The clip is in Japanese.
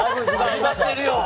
始まってるよ！